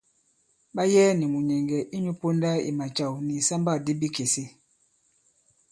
Ɓa yɛɛ nì mùnyɛ̀ŋgɛ̀ inyū ponda i macàw nì ìsambâkdi bikèse.